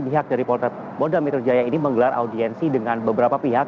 dan pihak dari polda metro jaya ini menggelar audiensi dengan beberapa pihak